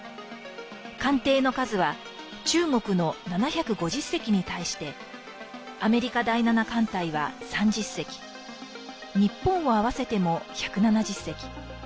艦艇の数は中国の７５０隻に対してアメリカ第７艦隊は３０隻日本を合わせても１７０隻。